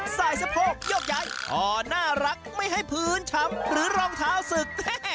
สะโพกยกย้ายคอน่ารักไม่ให้พื้นช้ำหรือรองเท้าศึก